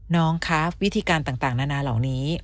น้องครับวิธีการต่างนานาเหล่านี้